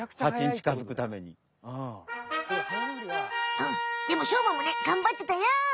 うんでもしょうまもねがんばってたよ！